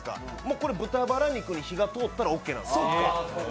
これ、豚バラ肉に火が通ったらオッケーなんです。